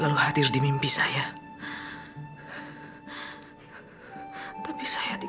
aku akan terus mendoakan ibu